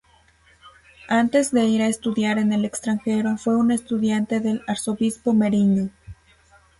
Antes de ir a estudiar en el extranjero, fue un estudiante del Arzobispo Meriño.